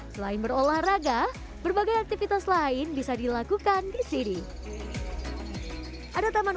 selain berolahraga berbagai aktivitas lain bisa dilakukan di sini ada taman